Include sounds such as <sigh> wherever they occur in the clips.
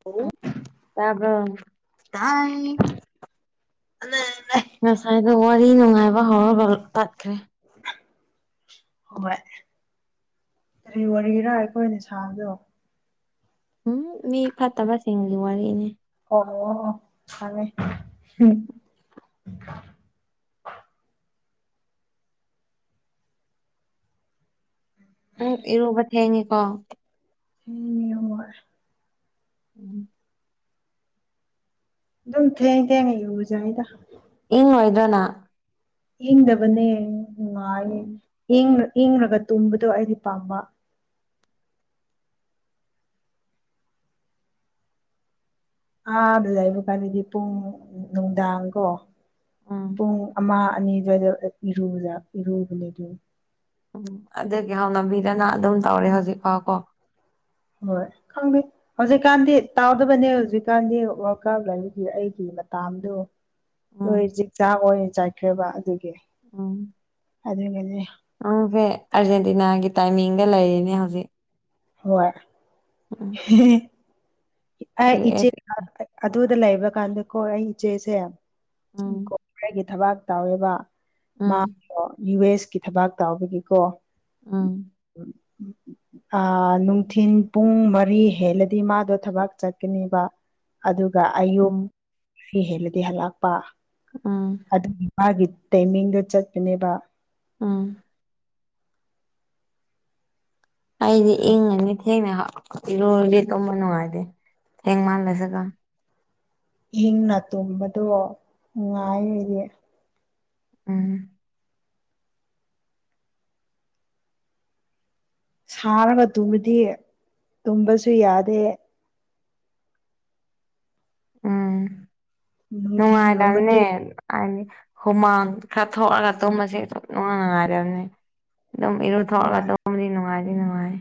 ꯂꯧꯁꯤꯟꯕ ꯉꯝꯗꯕ ꯇꯥꯕ꯭ꯔꯣ ꯇꯥꯏ ꯇꯥꯏ ꯑꯍ ꯉꯁꯥꯏꯗꯣ ꯋꯥꯔꯤ ꯅꯨꯡꯉꯥꯏꯕ ꯍꯧꯔꯕꯒ ꯇꯠꯈ꯭ꯔꯦ ꯍꯣꯏ ꯀꯔꯤ ꯋꯥꯔꯤꯔꯥ ꯑꯩꯈꯣꯏꯅ ꯁꯥꯕꯗꯣ ꯎꯝ ꯃꯤ ꯐꯠꯇꯕꯁꯤꯡꯒꯤ ꯋꯥꯔꯤꯅꯤ ꯑꯣ ꯈꯪꯉꯦ ꯍꯨꯡ ꯅꯪ ꯏꯔꯨꯕ ꯊꯦꯡꯉꯦꯀꯣ ꯂꯧꯁꯤꯟꯕ ꯉꯝꯗꯕ ꯎꯝ ꯑꯗꯨꯝ ꯊꯦꯡ ꯊꯦꯡꯉ ꯏꯔꯨꯖꯔꯦꯗ ꯏꯪꯉꯣꯏꯗ꯭ꯔꯥ ꯅꯥ ꯏꯪꯗꯕꯅꯦ ꯅꯨꯡꯉꯥꯏꯌꯦ ꯎꯝ ꯏꯪꯔ ꯏꯪꯔꯒ ꯇꯨꯝꯕꯗꯣ ꯑꯩꯗꯤ ꯄꯥꯝꯕ ꯑꯥꯗ ꯂꯩꯕꯀꯥꯟꯗꯗꯤ ꯄꯨꯡ ꯅꯨꯡꯗꯥꯡ ꯀꯣ ꯎꯝ ꯄꯨꯡ ꯑꯃ ꯑꯅꯤ ꯑꯗꯨꯋꯥꯏꯗ ꯏꯔꯨꯖ ꯏꯔꯨꯕꯅꯦ ꯑꯗꯨ ꯎꯝ ꯑꯗꯨꯒꯤ ꯍꯥꯎꯅꯕꯤꯗꯅ ꯑꯗꯨꯝ ꯇꯧꯔꯦ ꯍꯧꯖꯤꯛꯐꯥꯎ ꯀꯣ ꯍꯣꯏ ꯈꯪꯩ ꯍꯧꯖꯤꯛꯀꯥꯟꯗꯤ ꯇꯥꯎꯗꯕꯅꯦ ꯍꯧꯖꯤꯛꯀꯥꯟꯗꯤ ꯋꯥꯔꯜ ꯀꯞ ꯂꯩꯕꯒꯤ ꯑꯩꯒꯤ ꯃꯇꯥꯗꯨ ꯎꯝ ꯍꯣꯏ ꯆꯛ ꯆꯥꯛ ꯑꯣꯏꯅ ꯆꯥꯏꯈ꯭ꯔꯦꯕ ꯑꯗꯨꯒꯤ ꯎꯝ ꯑꯗꯨꯅꯅꯤ ꯎꯪꯁꯦ ꯑꯔꯖꯦꯟꯇꯤꯅꯥꯒꯤ ꯇꯥꯏꯃꯤꯡꯒ ꯂꯩꯔꯤꯅꯦ ꯍꯧꯖꯤꯛ ꯍꯣꯏ ꯎꯝ ꯑꯩ ꯌꯨ ꯏꯆꯦ ꯑꯦꯁ ꯑꯗꯨꯗ ꯂꯩꯕ ꯀꯥꯟꯗꯀꯣ ꯑꯩ ꯏꯆꯦꯁꯦ ꯎꯝ ꯑꯩꯒꯤ ꯊꯕꯥꯛ ꯇꯧꯋꯦꯕ ꯎꯝ ꯃꯥꯗꯣ ꯌꯨ ꯑꯦꯁ ꯀꯤ ꯊꯕꯥꯛ ꯇꯥꯎꯕꯒꯤꯀꯣ ꯎꯝ ꯑꯥ ꯅꯨꯡꯊꯤꯟ ꯄꯨꯡ ꯃꯔꯤ ꯍꯦꯜꯂꯗꯤ ꯃꯥꯗꯣ ꯊꯕꯛ ꯆꯠꯀꯅꯦꯕ ꯑꯗꯨꯒ ꯑꯌꯨꯛ ꯎꯝ ꯐꯤ ꯍꯦꯜꯂꯗꯤ ꯍꯜꯂꯛꯄ ꯍꯛ ꯎꯝ ꯑꯗꯨꯒꯤ ꯃꯥꯒꯤ ꯇꯥꯏꯃꯤꯡꯗ ꯆꯠꯄꯅꯦꯕ ꯎꯝ ꯑꯩꯗꯤ ꯏꯪꯉꯅꯤ ꯊꯦꯡꯅ ꯍꯥ ꯏꯔꯨꯔꯗꯤ ꯇꯨꯝꯕ ꯅꯨꯡꯉꯥꯏꯇꯦ ꯊꯦꯡꯃꯜꯂꯁꯨꯀꯣ ꯏꯟꯅ ꯇꯨꯝꯕꯗꯣ ꯉꯥꯏꯂꯩꯔ ꯎꯝ ꯁꯥꯔꯒ ꯇꯨꯝꯕꯗꯤ ꯇꯨꯝꯕꯁꯨ ꯌꯥꯗꯦ ꯎꯝ ꯅꯨꯡꯉꯥꯏꯗꯕꯅꯦ ꯅꯨꯡꯊꯤꯟꯒꯨꯝꯕꯗꯤ ꯍꯥꯏꯗꯤ ꯍꯨꯃꯥꯡ ꯈꯔ ꯊꯣꯛꯑꯒ ꯇꯨꯝꯕꯁꯦ ꯑꯗꯨ ꯅꯨꯡꯉꯥꯏ ꯉꯥꯏꯗꯕꯅꯤ ꯑꯗꯨꯝ ꯏꯔꯨꯊꯣꯛꯑꯒ ꯍꯣꯏ ꯑꯗꯨꯝꯗꯤ ꯅꯨꯡꯉꯥꯏꯗꯤ ꯅꯨꯡꯉꯥꯏꯌꯦ꯫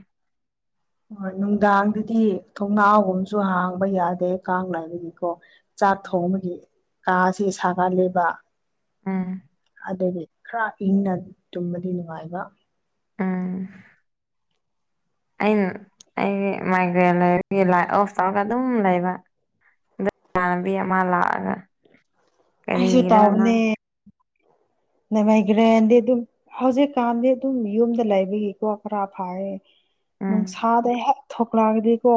ꯍꯣꯏ ꯅꯨꯡꯗꯥꯡꯗꯗꯤ ꯊꯣꯡꯅꯥꯒꯨꯝꯁꯨ ꯍꯥꯡꯕ ꯌꯥꯗꯦ ꯀꯥꯡꯅꯒꯤꯀꯣ ꯆꯥꯛ ꯎꯝ ꯊꯣꯡꯕꯒꯤ ꯀꯥ ꯑꯁꯤ ꯁꯥꯒꯜꯂꯤꯕ ꯎꯝ ꯑꯗꯒꯤ ꯈꯔ ꯏꯪꯅ ꯇꯨꯝꯕꯗꯤ ꯅꯨꯡꯉꯥꯏꯕ꯫ ꯎꯝ꯫ ꯑꯩꯅ ꯑꯩꯒꯤ ꯃꯥꯏꯒ꯭ꯔꯦꯟ ꯂꯩꯕꯒꯤ ꯂꯥꯏꯠ ꯑꯣꯐ ꯇꯧꯔꯒ ꯑꯗꯨꯝ ꯂꯩꯕ ꯫ ꯏꯃꯥꯟꯅꯕꯤ ꯑꯃꯂꯥꯛꯑꯒ ꯑꯩꯁꯨ ꯀꯔꯤꯔꯅ ꯇꯧꯕꯅꯦ ꯃꯥꯏꯒ꯭ꯔꯦꯟꯗꯤ ꯑꯗꯨꯝ ꯍꯧꯖꯤꯛꯀꯥꯟꯗꯤ ꯑꯗꯨꯝ ꯌꯨꯝꯗ ꯂꯩꯕꯒꯤꯀꯣ ꯈꯔ ꯐꯌꯦ ꯎꯝ ꯅꯨꯡꯁꯥꯗ ꯍꯦꯛ ꯊꯣꯛꯂꯛꯑꯒꯗꯤꯀꯣ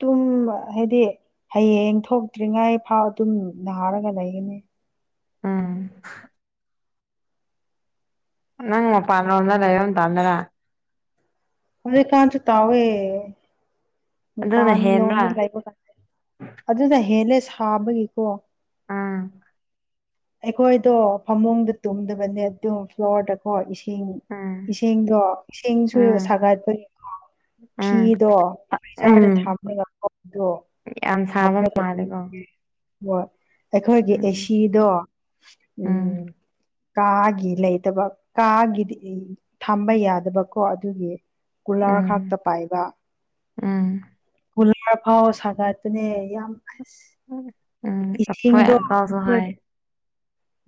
ꯇꯨꯝꯕ ꯍꯥꯏꯗꯤ ꯍꯌꯦꯡ ꯊꯣꯛꯇ꯭ꯔꯤꯉꯥꯏ ꯐꯥꯎ ꯑꯗꯨꯝ ꯅꯥꯔꯒ ꯂꯩꯒꯅꯤ ꯫ ꯎꯝ ꯅꯪ ꯃꯄꯥꯟꯂꯣꯝꯗ ꯂꯩꯕ ꯃꯇꯝꯗꯔꯥ ꯫ ꯍꯧꯖꯤꯛ ꯀꯥꯟꯁꯨ ꯇꯧꯋꯦ ꯑꯗꯨꯅ ꯃꯄꯥꯟ ꯍꯦꯟꯕ꯭ꯔꯥ ꯂꯣꯝꯗ ꯂꯩꯕꯀꯥꯟꯗꯀꯣ꯫ ꯑꯗꯨꯅ ꯍꯦꯜꯂꯦ ꯁꯥꯕꯒꯤꯀꯣ ꯎꯝ꯫ ꯑꯩꯈꯣꯏꯗꯣ ꯐꯃꯨꯡꯗ ꯇꯨꯝꯗꯕꯅꯦ ꯑꯗꯨ꯫ ꯐ꯭ꯂꯣꯔꯗꯀꯣ ꯏꯁꯤꯡ ꯎꯝ ꯏꯁꯤꯡꯗꯣ ꯏꯁꯤꯡꯁꯨ ꯎꯝ ꯁꯥꯒꯠꯄꯅꯤꯀꯣ꯫ ꯎꯝ ꯐꯤꯗꯣ ꯐ꯭ꯔꯤꯖꯥꯔꯗ ꯎꯝ ꯊꯥꯂꯒ ꯄꯣꯗꯣ ꯌꯥꯝ ꯁꯥꯕ ꯍꯥꯞꯄꯒ ꯃꯥꯜꯂꯦꯀꯣ ꯇꯨꯝꯕꯅ ꯍꯣꯏ ꯑꯩꯈꯣꯏꯒꯤ ꯎꯝ ꯑꯦꯁꯤꯗꯣ ꯎꯝ ꯀꯥꯒꯤ ꯂꯩꯇꯕ ꯀꯥꯒꯤꯗꯤ ꯊꯝꯕ ꯌꯥꯗꯕꯀꯣ ꯑꯗꯨꯒꯤ꯫ ꯀꯨꯂꯥ ꯈꯛ ꯎꯝ ꯇ ꯄꯥꯏꯕ ꯎꯝ ꯀꯨꯂꯔ ꯐꯥꯎ ꯁꯥꯒꯠꯄꯅꯦ ꯌꯥꯝ ꯑꯁ ꯎꯝ ꯍꯣꯏ ꯏꯁꯤꯡꯗꯣ ꯑꯀꯥꯜꯁꯨ ꯍꯥꯏꯌꯦ꯫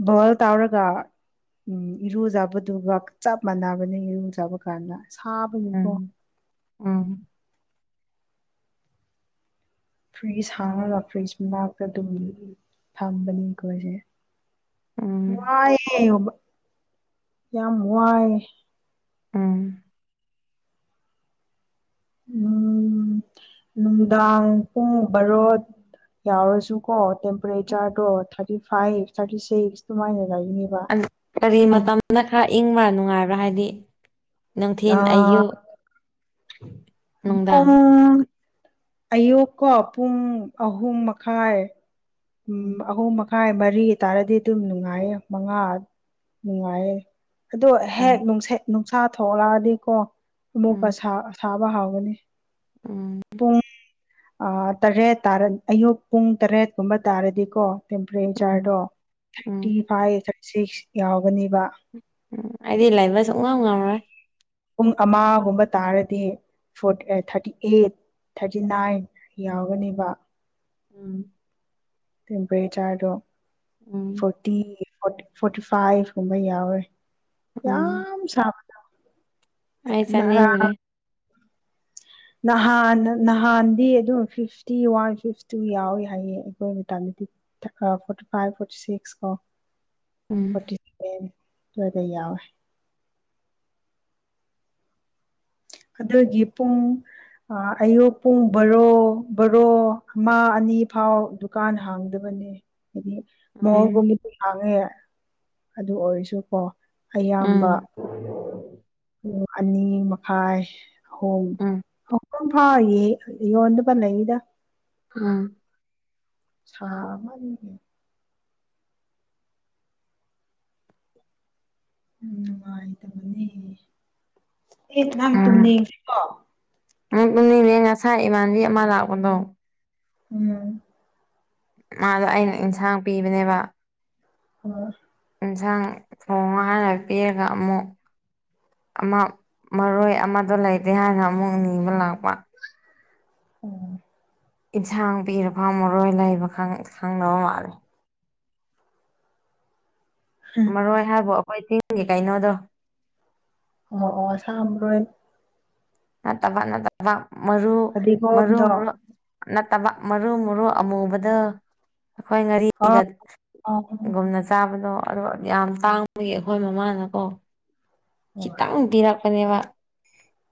ꯕꯣꯜ ꯇꯧꯔꯒ ꯎꯝ ꯏꯔꯨꯖꯕꯗꯨꯒ ꯆꯞ ꯃꯥꯟꯅꯕꯅꯤ ꯏꯔꯨ ꯆꯥꯕ ꯀꯥꯟꯗ ꯁꯥꯕꯒꯤꯀꯣ꯫ ꯎꯝ ꯎꯝ ꯐ꯭ꯔꯤꯖ ꯍꯥꯡꯉꯒ ꯐ꯭ꯔꯤꯖ ꯃꯅꯥꯛꯇ ꯑꯗꯨꯝ ꯐꯝꯕꯅꯤ ꯑꯩꯈꯣꯏꯁꯦ ꯎꯝ ꯋꯥꯏ ꯌꯥꯝ ꯋꯥꯏ ꯎꯝ ꯎꯝ ꯅꯨꯡꯗꯥꯡ ꯄꯨꯡ ꯕꯥꯔꯣ ꯌꯥꯎꯔꯁꯨ꯫ ꯀꯣ ꯇꯦꯝꯄꯔꯦꯆꯔꯗꯣ ꯊꯥꯔꯇꯤ ꯐꯥꯏꯚ ꯊꯥꯔꯇꯤ ꯁꯤꯛꯁ ꯑꯗꯨꯃꯥꯏꯅ ꯂꯩꯅꯤꯕ꯫ ꯀꯔꯤ ꯃꯇꯝꯅ ꯈꯔ ꯏꯪꯕ꯭ꯔꯥ ꯅꯨꯡꯉꯥꯏꯕ꯭ꯔꯥ ꯍꯥꯏꯗꯤ꯫ ꯅꯨꯡꯊꯤꯟ ꯑꯌꯨꯛ꯫ ꯅꯨꯡꯗꯥꯡ ꯄꯨꯡ ꯑꯌꯨꯛꯀꯣ ꯄꯨꯡ ꯑꯍꯨꯝ ꯃꯈꯥꯏ꯫ ꯎꯝ ꯑꯍꯨꯝ ꯃꯈꯥꯏ ꯃꯔꯤ ꯇꯥꯔꯗꯤ ꯑꯗꯨꯝ ꯅꯨꯡꯉꯥꯏꯌꯦ ꯃꯉꯥ ꯅꯨꯡꯉꯥꯏꯌꯦ꯫ ꯑꯗꯣ ꯎꯝ ꯍꯦꯛꯅꯨꯡꯁ ꯅꯨꯡꯁꯥ ꯊꯣꯛꯂꯛꯑꯗꯤꯀꯣ ꯑꯃꯨꯛꯀ ꯎꯝ ꯁꯥꯕ ꯍꯧꯕꯅꯦ꯫ ꯎꯝ ꯄꯨꯡ ꯑꯃꯥ ꯇꯔꯦꯠꯔ ꯑꯌꯨꯛ ꯄꯨꯡ ꯇꯔꯦꯠꯀꯨꯝꯕ ꯇꯥꯔꯗꯤꯀꯣ ꯎꯝ ꯇꯦꯝꯄꯔꯦꯆꯔꯗꯣ ꯎꯝ ꯊꯥꯔꯇꯤ ꯐꯥꯏꯚ ꯊꯥꯔꯇꯤ ꯁꯤꯛꯁ ꯌꯥꯎꯕꯅꯦꯕ꯫ ꯎꯝ ꯑꯩꯗꯤ ꯂꯩꯕꯁꯨꯨꯡꯉꯝ ꯉꯝꯔꯣꯏ ꯫ ꯄꯨꯡ ꯑꯃꯒꯨꯝꯕ ꯇꯥꯔꯗꯤ ꯐ ꯊꯥꯔꯇꯤ ꯑꯩꯠ ꯊꯥꯔꯇꯤ ꯅꯥꯏꯟ ꯌꯥꯎꯒꯅꯦꯕ ꯎꯝ ꯇꯦꯝꯄꯔꯦꯆꯔꯗꯣ ꯎꯝ ꯐꯣꯔꯇꯤ ꯐꯣꯔꯇꯤ ꯐꯥꯏꯚ ꯀꯨꯝꯕ ꯌꯥꯎꯔꯦ ꯎꯝ ꯌꯥꯝ ꯁꯥꯕ ꯑꯩ ꯆꯥꯅꯤꯡꯗ꯭ꯔꯦ <unintelligible> ꯅꯍꯥꯟ ꯅꯍꯥꯟꯗꯤ ꯑꯗꯨꯝ ꯐꯤꯐꯇꯤ ꯋꯥꯟ ꯐꯤꯐꯇꯤ ꯇꯨ ꯌꯥꯎꯋꯤ ꯍꯥꯏꯌꯦ ꯑꯩꯈꯣꯏ ꯃꯇꯗꯗꯤ ꯐꯣꯔꯇꯤ ꯐꯥꯏꯚ ꯐꯣꯔꯇꯤ ꯁꯤꯛꯁ ꯀꯣ꯫ ꯎꯝ ꯐꯣꯔꯇꯤ ꯁꯚꯦꯟ ꯁꯋꯥꯏꯗ ꯌꯥꯎꯋꯦ ꯑꯗꯒꯤ ꯄꯨꯡ꯫ ꯑꯌꯨꯛ ꯄꯨꯡ ꯕꯔꯣ ꯕꯔꯣ ꯑꯃ ꯑꯅꯤ ꯐꯥꯎ ꯗꯨꯀꯥꯟ ꯍꯥꯡꯗꯕꯅꯦ <unintelligible> ꯃꯣꯜꯒꯨꯝ ꯎꯝ ꯃꯤꯗꯤ ꯍꯥꯡꯉꯦ ꯑꯗꯨ ꯑꯣꯏꯔꯁꯨꯀꯣ ꯎꯝ ꯑꯌꯥꯝꯕ꯫ ꯑꯣ ꯑꯅꯤ ꯃꯈꯥꯏ ꯑꯍꯨꯝ ꯎꯝ ꯄꯨꯡ ꯐꯥꯌꯦ ꯌꯣꯟꯗ ꯄꯜꯂꯛꯏꯗ ꯎꯝ ꯁꯃꯅꯤ ꯎꯝ ꯅꯨꯡꯉꯥꯏꯇꯕꯅꯦ ꯑꯦ ꯅꯪ ꯇꯨꯝꯅꯤꯡꯁꯤꯀꯣ ꯄꯨꯅꯤꯅꯦ ꯉꯁꯥꯏ ꯏꯃꯥꯟꯕꯤ ꯑꯃ ꯂꯥꯛꯄꯗꯣ ꯎꯝ꯫ ꯃꯥꯗꯣ ꯑꯩꯅ ꯏꯟꯁꯥꯡ ꯄꯤꯕꯅꯦꯕ꯫ ꯑꯣ꯫ ꯌꯦꯟꯁꯥꯡ ꯊꯣꯡꯉ ꯍꯥꯟꯅ ꯄꯤꯔꯒ ꯑꯃꯨꯛ ꯑꯃ ꯃꯔꯣꯏ ꯑꯃꯗꯣ ꯂꯩꯇꯦ ꯍꯥꯏꯅ ꯑꯃꯨꯛ ꯅꯤꯕ ꯂꯥꯛꯄ ꯎꯝ ꯏꯟꯁꯥꯡ ꯄꯤꯔ ꯐꯥꯎꯃꯔꯣꯏ ꯂꯩꯕ ꯈꯪ ꯈꯪꯗꯕ ꯃꯥꯜꯂꯦ꯫ ꯃꯔꯣꯏ ꯍꯥꯏꯕꯣ ꯑꯩꯈꯣꯏ ꯆꯤꯡꯒꯤ ꯀꯩꯅꯣꯗꯣ꯫ <unintelligible> ꯅꯠꯇꯕ ꯅꯠꯇꯕ ꯃꯔꯨ ꯃꯔꯨ ꯐꯗꯤꯒꯣꯝꯗꯣ ꯃꯔꯨ ꯅꯠꯇꯕ ꯃꯔꯨ ꯃꯔꯨ ꯑꯃꯨꯕꯗ ꯑꯩꯈꯣꯏ ꯑꯥ ꯑ ꯉꯥꯔꯤꯒꯒꯨꯝꯅ ꯆꯥꯕꯗꯣ ꯑꯗꯣ ꯌꯥꯝ ꯇꯥꯡꯕꯒꯤ ꯑꯩꯈꯣꯏ ꯃꯃꯥꯅꯀꯣ ꯍꯣꯏ ꯈꯤꯇꯪ ꯄꯤꯔꯛꯄꯅꯦꯕ꫰꫰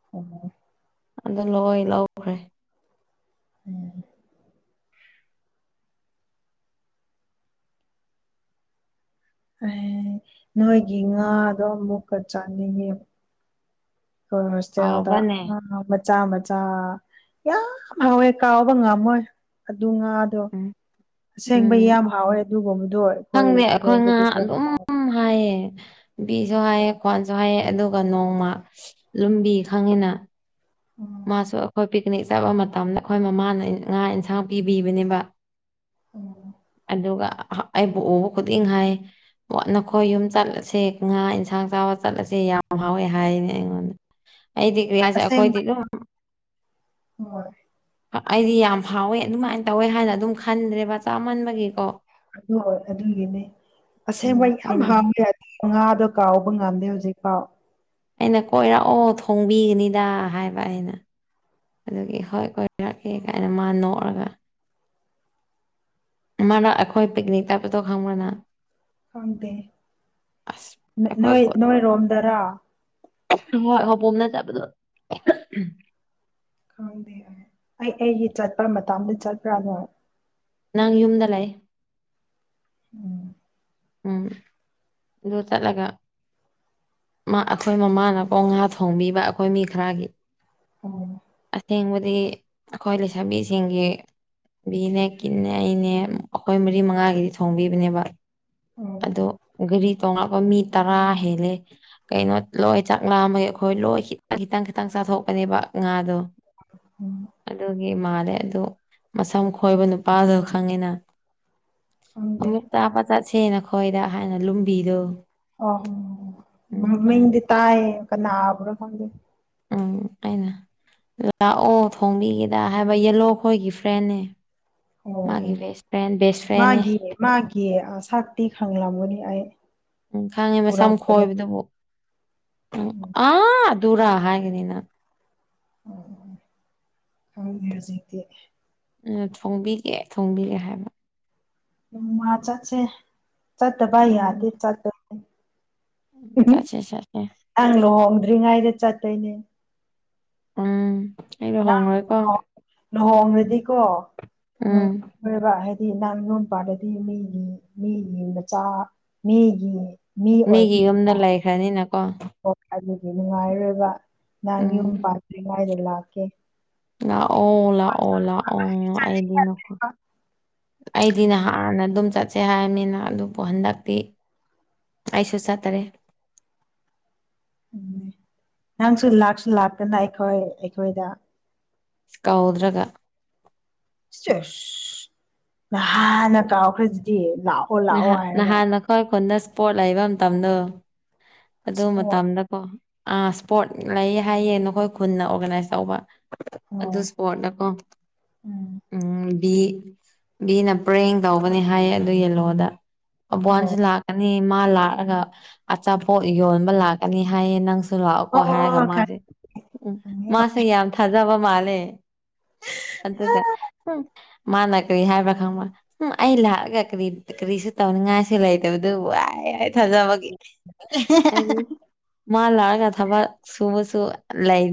<unintelligible> ꯑꯗꯣ ꯂꯣ ꯂꯧꯈ꯭ꯔꯦ ꯎꯝ꯫ ꯑꯦ ꯅꯣꯏꯒꯤ ꯉꯥꯗꯣ ꯑꯃꯨꯛꯀ ꯆꯥꯅꯤꯡꯉꯦ꯫ ꯍꯥꯎꯕ꯭ꯔꯅꯦ <unintelligible> ꯃꯆꯥ ꯃꯆꯥ ꯌꯥꯝ ꯍꯥꯎꯋꯦ ꯀꯥꯎꯕ ꯉꯝꯃꯣꯏ ꯑꯗꯨ ꯉꯥ ꯑꯗꯣ ꯎꯝ ꯑꯁꯦꯡꯕ ꯎꯝ ꯌꯥꯝ ꯍꯥꯎꯋꯦ ꯑꯗꯨꯒꯨꯝꯕꯗꯣ ꯑꯩꯈꯣꯏꯣꯝꯗꯗꯤ ꯍꯥꯏꯑ ꯕꯤꯁꯨ ꯍꯥꯏꯌꯦ ꯈ꯭ꯋꯥꯣꯟꯁꯨ ꯍꯥꯏꯌꯦ ꯑꯗꯨ ꯑꯗꯨꯒ ꯅꯣꯡꯃ ꯂꯨꯝꯕꯤ ꯈꯪꯉꯤꯅ꯫ ꯎꯝ꯫ ꯃꯥꯁꯨ ꯑꯩꯈꯣꯏ ꯄꯤꯛꯅꯤꯛ ꯆꯠꯄ ꯃꯇꯝꯗ ꯑꯩꯈꯣꯏ ꯃꯃꯥꯅ ꯉꯥ ꯑꯦꯟꯁꯥꯡ ꯄꯤꯕꯤꯕꯅꯦꯕ ꯎꯝ ꯑꯗꯨꯒ ꯑꯩꯕꯨ ꯎꯕ ꯈꯨꯗꯤꯡ ꯍꯥꯏꯌꯦ ꯅꯈꯣꯏ ꯌꯨꯝ ꯆꯠꯂꯁꯦ ꯉꯥ ꯌꯦꯟꯁꯥꯡ ꯆꯥꯕ ꯆꯠꯂꯁꯦ ꯌꯥꯝ ꯍꯥꯎꯋꯦ ꯍꯥꯏꯅꯦ ꯑꯩꯉꯣꯟꯗ ꯑꯩꯗꯤ꯫ ꯀꯔꯤ ꯍꯥꯏꯁꯦ ꯑꯩꯈꯣꯏꯗꯤ ꯑꯗꯨꯝ <unintelligible> ꯑꯩꯗꯤ ꯌꯥꯝ ꯍꯥꯎꯋꯦ ꯑꯗꯨꯃꯥꯏꯅ ꯇꯧꯋꯦ ꯍꯥꯏꯅ ꯑꯗꯨꯝ ꯈꯟꯗ꯭ꯔꯦꯕ ꯆꯥꯃꯟꯕꯒꯤꯀꯣ꯫ ꯑ ꯑꯗꯨꯒꯤꯅꯤ ꯑꯁꯦꯡꯕ ꯎꯝ ꯌꯥꯝ ꯑꯩꯅ ꯍꯝꯃꯦ ꯉꯥꯗꯣ ꯀꯥꯎꯕ ꯉꯝꯗꯦ ꯍꯧꯖꯤꯛꯐꯥꯎ꯫ ꯑꯩꯅ ꯀꯣꯏꯔꯛꯑꯣ ꯊꯣꯡꯕꯤꯒꯅꯤꯗ ꯍꯥꯏꯕ ꯑꯩꯅ꯫ ꯑꯗꯨꯒꯤ ꯍꯣꯏ ꯀꯣꯏꯔꯛꯀꯦ ꯀꯥꯏꯅ ꯃꯥ ꯅꯣꯛꯑꯒ ꯃꯥꯅ ꯑꯩꯈꯣꯏ ꯄꯤꯛꯅꯤꯛ ꯆꯠꯄꯗꯣ ꯈꯪꯕꯔꯥ ꯅꯪ ꯈꯪꯗꯦ ꯑꯁ ꯅꯣꯏ ꯅꯣꯏꯔꯣꯝꯗꯔꯥ꯫ ꯍꯣꯏ ꯍꯣꯄꯣꯝꯗ ꯆꯠꯕꯗꯣ ꯈꯪꯗꯦ ꯑꯩ ꯑꯩꯒꯤ ꯆꯠꯄ ꯃꯇꯗ ꯆꯠꯄ꯭ꯔꯥꯅꯣ? ꯅꯪ ꯌꯨꯝꯗ ꯂꯩ꯫ ꯎꯝ ꯎꯝ ꯑꯗꯨ ꯆꯠꯂꯒ ꯑꯩꯈꯣꯏ ꯃꯃꯥꯅꯀꯣ ꯉꯥ ꯊꯣꯡꯕꯤꯕ ꯑꯩꯈꯣꯏ ꯃꯤ ꯈꯔꯒꯤ ꯑ ꯑꯁꯦꯡꯕꯗꯤ ꯑꯩꯈꯣꯏ ꯂꯩꯁꯥꯕꯤꯁꯤꯡꯒꯤ ꯕꯤꯅꯦ ꯀꯤꯅꯦ ꯑꯩꯅꯦ ꯑꯩꯈꯣꯏ ꯃꯔꯤ ꯃꯉꯥꯒꯤꯗꯤ ꯊꯣꯡꯕꯤꯕꯅꯦꯕ ꯑꯣ ꯑꯗꯣ ꯒꯔꯤ ꯇꯣꯡꯔꯛꯄ ꯃꯤ ꯇꯔꯥ ꯍꯦꯜꯂꯦ꯫ ꯀꯩꯅꯣ ꯂꯣꯏ ꯆꯥꯛ ꯂꯥꯝꯕꯩ ꯑꯩꯈꯣꯏ ꯂꯣꯏ ꯈꯤꯇꯪ ꯈꯤꯇꯪ ꯈꯤꯇꯪ ꯆꯥꯊꯣꯛꯄꯅꯦꯕ ꯉꯥꯗꯣ꯫ ꯎꯝ ꯑꯗꯨꯒꯤ ꯃꯥꯥꯂꯦ ꯑꯗꯨ ꯃꯁꯝ ꯈꯣꯏꯕ ꯅꯨꯄꯥꯗꯨ ꯈꯪꯉꯤꯅ ꯈꯪꯗꯦ ꯑꯃꯨꯛ ꯆꯥꯕꯥ ꯆꯠꯁꯦ ꯅ ꯈꯣꯏꯗ ꯍꯥꯏꯅ ꯂꯨꯝꯕꯤꯗꯣ ꯑꯣ ꯎꯝ ꯍꯥꯏ ꯃꯃꯤꯡꯗꯤ ꯇꯥꯏ ꯀꯅꯥꯕꯨꯅꯣ ꯈꯪꯗꯦ꯫ ꯎꯝ ꯑꯩꯅ ꯂꯥꯛꯑꯣ ꯊꯣꯡꯕꯤꯒꯦꯗ ꯍꯥꯏꯕ ꯌꯦꯂꯣꯈꯣꯏꯒꯤ ꯐ꯭ꯔꯦꯟ ꯅꯦ ꯑꯣ ꯑꯣ ꯐ꯭ꯔꯦꯟꯅꯦ ꯃꯥꯒꯤ ꯃꯥꯒꯤ ꯁꯛꯇꯤ ꯈꯡꯂꯝꯒꯅꯤ ꯑꯩ ꯎꯝ ꯈꯪꯉꯦ ꯃꯁꯝ ꯎꯔꯝꯕꯅꯤ ꯈꯣꯏꯕꯗꯨꯕꯨ ꯎꯝ ꯑꯥ ꯑꯗꯨꯔꯥ ꯍꯥꯏꯒꯅꯤꯅ ꯑꯣ ꯍꯥꯎꯅꯦ ꯍꯧꯖꯤꯛꯇꯤ ꯎꯝ ꯊꯣꯡꯕꯤꯒꯦ ꯊꯣꯡꯕꯤꯒꯦ ꯍꯥꯏꯕ ꯎꯝ ꯍꯥ ꯆꯠꯁꯦ ꯆꯠꯇ ꯇꯥꯏ ꯎꯝ ꯌꯥꯇꯦ ꯆꯠꯇ <unintelligible> ꯅꯪ ꯂꯨꯍꯣꯡꯗ꯭ꯔꯤꯉꯩꯗ ꯆꯠꯇꯣꯏꯅꯦ꯫ ꯎꯝ ꯑꯩ ꯅꯪ ꯂꯨꯍꯣꯡꯉꯣꯏꯀꯣ ꯂꯨꯍꯣꯡ ꯂꯨꯍꯣꯡꯔꯗꯤꯀꯣ ꯎꯝ ꯂꯣꯏꯔꯕ ꯍꯥꯏꯗꯤ ꯅꯡ ꯌꯨꯝꯄꯥꯜꯂꯗꯤ ꯃꯤꯒꯤ ꯃꯤꯒꯤ ꯃꯆꯥ ꯃꯤꯒꯤ ꯃꯤ ꯃꯤꯒꯤ ꯌꯨꯝꯗ ꯂꯩꯈ꯭ꯔꯅꯤꯅꯀꯣ ꯍ ꯑꯗꯨꯗꯤ ꯅꯨꯡꯉꯥꯏꯔꯣꯏꯕ ꯅꯪ ꯎꯝ ꯌꯨꯝ ꯄꯥꯟꯇ꯭ꯔꯤꯉꯩꯗ ꯂꯥꯛꯀꯦ꯫ ꯂꯥꯛꯑꯣ ꯂꯥꯛꯑꯣ ꯂꯥꯛꯑꯣ ꯑꯩꯗꯤ ꯅꯈꯣ ꯑꯩꯗꯤ ꯅꯍꯥꯟꯅ ꯑꯗꯨꯝ ꯆꯠꯁꯦ ꯍꯥꯏꯔꯅꯤꯅ ꯑꯗꯨꯕꯨ ꯍꯟꯗꯛꯇꯤ ꯑꯩꯁꯨ ꯆꯠꯇꯔꯦ꯫ ꯎꯝ ꯅꯪꯁꯨ ꯂꯥꯛꯁꯨ ꯂꯥꯛꯇꯅ ꯑꯩꯈꯣꯏ ꯑꯩꯈꯣꯏꯗ ꯀꯧꯗ꯭ꯔꯒ ꯁꯦꯁ ꯅꯍꯥꯟꯅ ꯀꯥꯎꯈ꯭ꯔꯦ ꯑꯗꯨꯗꯤ ꯂꯥꯎ ꯅꯍ ꯅꯍꯥꯟ ꯅꯈꯣꯏ ꯈꯨꯟꯗ ꯏꯁꯄꯣꯔꯠ ꯂꯩꯕ ꯃꯇꯝꯗꯣ ꯑꯗꯨ ꯏꯁꯄꯣꯔꯠ ꯃꯇꯝꯗ ꯑꯣ ꯑ ꯁꯄꯣꯔꯠ ꯂꯩ ꯍꯥꯏꯌꯦ ꯅꯈꯣꯏ ꯈꯨꯟꯅ ꯑꯣꯔꯒꯅꯥꯏꯁ ꯇꯧꯕ꯫ ꯑꯗꯨ ꯑꯣ ꯁꯄꯣꯠꯅꯀꯣ ꯎꯝ ꯕꯤ ꯕꯤꯅ ꯄ꯭ꯔꯦꯡ ꯇꯧꯕꯅꯦ ꯍꯥꯏꯌꯦ ꯑꯗꯨꯒꯤꯂꯣꯗ ꯑꯣ ꯑꯕꯋꯥꯟꯁ ꯂꯥꯛ ꯑꯅꯤ ꯃꯥ ꯂꯥꯛꯑꯒ ꯑꯆꯥꯄꯣꯠ ꯌꯣꯟꯕ ꯂꯥꯛꯀꯅꯤ ꯍꯥꯏꯌꯦ ꯅꯪꯁꯨ ꯑꯗꯨ ꯂꯥꯛꯑꯣꯀꯣ ꯑꯣ ꯍꯥꯏꯔꯒ ꯑꯣ ꯃꯥꯁꯦ ꯎꯝ ꯈꯪꯉꯦ ꯃꯥꯁꯦ ꯌꯥꯝ ꯊꯥꯖꯕ ꯃꯥꯜꯂꯦ꯫ ꯑꯗꯨꯒ ꯎꯝ ꯃꯥꯅ ꯀꯔꯤ ꯍꯥꯏꯕ꯭ꯔꯥ ꯈꯪꯕ ꯎꯝ ꯑꯩ ꯂꯥꯛꯑꯒ ꯀꯔꯤ ꯀꯔꯤꯁꯨ ꯇꯧꯅꯤꯡꯉꯥꯏꯁꯨ ꯂꯩꯇꯕꯗꯨꯕꯨ ꯍꯥꯏ ꯊꯥꯖꯕꯒꯤ ꯍꯥꯏꯗꯤ ꯃꯥ ꯂꯛꯑꯥꯒꯥ ꯊꯕꯛ ꯁꯨꯕꯁꯨ ꯂꯩ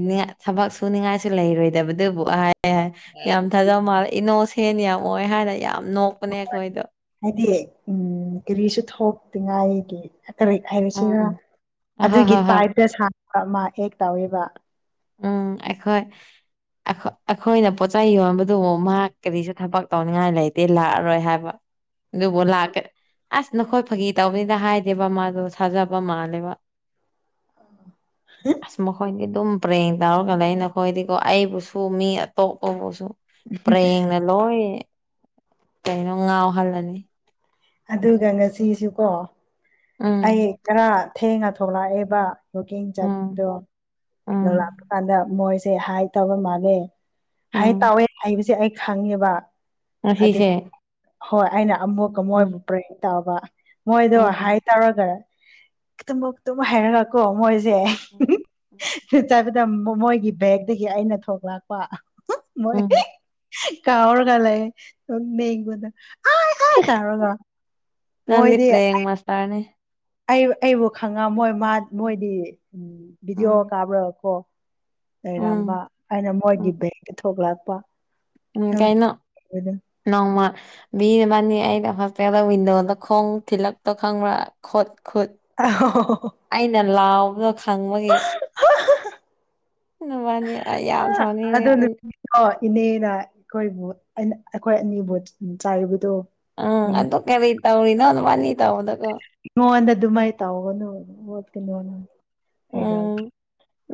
ꯊꯕꯛ ꯁꯨꯅꯤꯡꯉꯥꯏꯁꯨ ꯂꯩꯔꯣꯏꯗꯕꯗꯨꯕꯨ ꯑꯦꯍ ꯑꯦ ꯌꯥꯝ ꯊꯥꯖꯕ ꯃꯥꯜꯂꯦ ꯏꯅꯧ ꯁꯦꯟ ꯌꯥꯝ ꯑꯣꯏ ꯍꯥꯏꯅ ꯌꯥꯝ ꯅꯣꯛꯄꯅꯦ ꯑꯩꯈꯣꯏꯗꯣ ꯍꯥꯏꯗꯤ ꯎꯝ ꯀꯔꯤꯁꯨ ꯊꯣꯛꯇꯤꯉꯥꯏꯒꯤ ꯀꯔꯤ ꯎꯝ ꯍꯥꯏꯔꯁꯤꯔ ꯎꯝ ꯑꯍꯣꯏ ꯑꯗꯨꯒꯤ ꯍꯣꯏ ꯍꯣꯏ ꯇꯥꯏꯞꯇ ꯁꯕ ꯑꯃ ꯑꯥꯛ ꯇꯧꯋꯦꯕ ꯎꯝ ꯑꯩꯈꯣꯏ ꯑꯩꯈꯣ ꯑꯩꯈꯣꯏꯅ ꯄꯣꯠꯆꯩ ꯌꯣꯟꯕꯗꯨꯕꯨ ꯃꯥ ꯀꯔꯤꯁꯨ ꯊꯕꯛ ꯇꯧꯅꯤꯡꯉꯥꯏ ꯂꯩꯇꯦ ꯂꯥꯛꯑꯔꯣꯏ ꯍꯥꯏꯕ ꯑꯗꯨꯕꯨ ꯂꯥꯛꯀꯦ ꯑꯁ ꯅꯈꯣꯏ ꯐꯥꯒꯤ ꯇꯧꯕꯅꯤꯗ ꯍꯥꯏꯗꯦꯕ ꯃꯥꯗꯣ ꯊꯥꯖꯕ ꯃꯥꯜꯂꯦꯕ꯫ ꯑꯁ ꯃꯈꯣꯏꯗꯤ ꯑꯗꯨꯝ ꯄꯔꯦꯡ ꯇꯧꯔꯒ ꯂꯩ ꯅꯈꯣꯏꯗꯤꯀꯣ ꯑꯩꯕꯨꯁꯨ ꯃꯤ ꯑꯇꯣꯞꯄꯕꯨꯁꯨ ꯄꯔꯦꯡꯅ ꯂꯣꯏ ꯀꯩꯅꯣ ꯉꯥꯎꯍꯜꯂꯅꯤ꯫ ꯑꯗꯨꯒ ꯉꯁꯤꯁꯨꯀꯣ ꯎꯝ ꯑꯩ ꯈꯔ ꯊꯦꯡꯉ ꯊꯣꯛꯂꯛꯑꯦꯕ ꯋꯀꯤꯡ ꯆꯠꯄꯗꯣ ꯎꯝ ꯂꯥꯛꯄ ꯎꯝ ꯀꯥꯟꯗ ꯃꯣꯏꯁꯦ ꯍꯥꯏ ꯇꯕ ꯃꯥꯜꯂꯦ ꯍꯥꯏ ꯎꯝ ꯇꯥꯎꯋꯦ ꯍꯥꯏꯕꯁꯦ ꯑꯩ ꯈꯪꯉꯦꯕ ꯑꯗꯨ ꯉꯁꯤꯁꯦ ꯍꯣꯏ ꯑꯩꯅ ꯑꯃꯨꯛꯀ ꯃꯣꯏꯕꯨ ꯎꯝ ꯄ꯭ꯔꯦꯡ ꯇꯧꯕ ꯃꯣꯏꯗꯣ ꯍꯥꯏ ꯎꯝ ꯇꯧꯔꯒ ꯇꯨꯝꯃꯨ ꯇꯨꯝ ꯍꯥꯏꯔꯒꯀꯣ ꯃꯣꯏꯁꯦ <unintelligible> <unintelligible> ꯃꯣꯏꯒꯤ ꯕꯦꯛꯗꯒꯤ ꯑꯩꯅ ꯊꯣꯛꯂꯛꯄ ꯃꯣꯏ ꯎꯝ ꯀꯥꯥꯎꯔꯒ ꯂꯩꯌꯦ ꯃꯤꯉꯣꯟꯗ ꯑꯥꯢ ꯑꯥꯢ ꯇꯧꯔꯒꯥ ꯅꯪꯗꯤ ꯄ꯭ꯔꯦꯡ ꯃꯥꯁꯇꯔꯅꯦ ꯑꯩ ꯑꯩꯕꯨ ꯈꯪꯉꯃꯣꯏ ꯃꯥ ꯃꯣꯏꯗꯤ ꯎꯝ ꯚꯤꯗꯤꯑꯣ ꯎꯝ ꯀꯥꯕ꯭ꯔ ꯀꯣ ꯂꯩꯔꯝꯕ ꯎꯝ ꯑꯩꯅ ꯎꯝ ꯃꯣꯏꯒꯤ ꯕꯦꯛꯇ ꯊꯣꯛꯂꯛꯄ ꯎꯝ ꯀꯩꯅꯣ ꯅꯣꯡꯃ ꯃꯤ ꯑꯃꯅꯦ ꯑꯩꯅ ꯍꯣꯁꯇꯦꯜꯗ ꯋꯤꯟꯗꯣꯗ ꯈꯣꯡ ꯊꯤꯜꯂꯛꯇ ꯈꯪꯕ꯭ꯔꯥ ꯈꯨꯠ ꯈꯨꯠ ꯑꯍꯣꯍꯣꯍꯣ ꯑꯩꯅ ꯂꯥꯎꯕꯗꯣ ꯈꯪꯕꯒꯤ ꯅꯕꯅꯤ ꯑꯩ ꯌꯥꯝ ꯁꯅꯤꯡꯅꯦ ꯑꯗꯨꯝ ꯑꯣ ꯏꯅꯦꯅ ꯑꯩꯈꯣꯏꯕꯨ ꯑꯟ ꯑꯩꯈꯣꯏ ꯑꯅꯤꯕꯨ ꯆꯥꯏꯕꯗꯣ ꯎꯝ ꯑꯗꯨ ꯀꯔꯤ ꯇꯧꯔꯤꯅꯣ ꯅꯕꯥꯅꯤ ꯇꯧꯕꯗꯀꯣ ꯅꯣꯟꯗ ꯗꯨꯃꯥꯏ ꯇꯥꯎꯒꯅꯨ ꯅꯣꯠꯀꯅꯨ ꯎꯝ ꯍꯥꯏꯔꯛ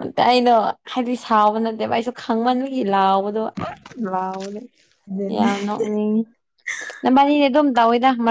ꯅꯠꯇꯦ ꯑꯩꯗꯣ ꯍꯥꯏꯗꯤ ꯁꯥꯎꯕ ꯅꯠꯇꯦꯕ ꯑꯩꯁꯨ ꯈꯪꯃꯟꯕꯒꯤ ꯂꯥꯎꯕ ꯗꯨ ꯑ ꯥ ꯂꯥꯎꯕꯗꯨ ꯑꯗꯨꯅꯤ ꯌꯥꯝꯅꯣ ꯎꯅꯤ ꯅꯕꯥꯅꯤꯗꯤ ꯑꯗꯨꯝ ꯇꯧꯋꯦꯗ ꯃꯔ